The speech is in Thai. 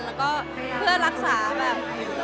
แล้วก็เพื่อรักษาแบบ